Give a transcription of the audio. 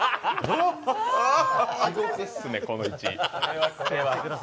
地獄っすね、この位置。